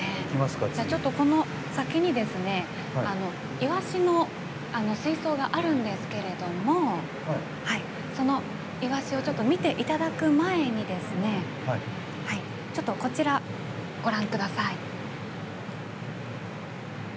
先にイワシの水槽があるんですけれどもそのイワシを見ていただく前にこちら、ご覧ください。